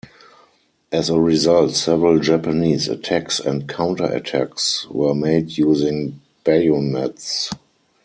As a result, several Japanese attacks and counterattacks were made using bayonets.